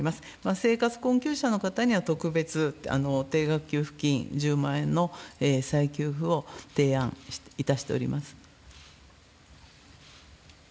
生活困窮者の方には、特別定額給付金１０万円の再給付を提案いたしております。